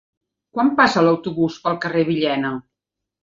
Quan passa l'autobús pel carrer Villena?